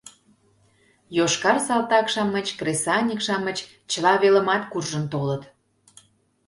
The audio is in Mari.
Йошкар салтак-шамыч, кресаньык-шамыч чыла велымат куржын толыт.